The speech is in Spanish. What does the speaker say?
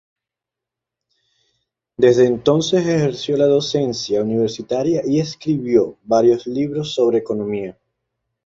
Desde entonces ejerció la docencia universitaria y escribió varios libros sobre economía.